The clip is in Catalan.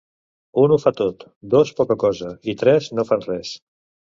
Un ho fa tot, dos poca cosa i tres no fan res.